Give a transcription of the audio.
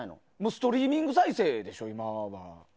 ストリーミング再生でしょ今は。